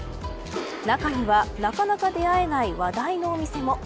中には、なかなか出会えない話題のお店も。